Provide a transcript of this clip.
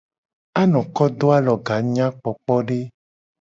Anoko do aloga nyakpokpode.